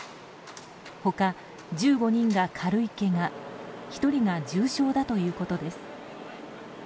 他１５人が軽いけが１人が重傷だということです。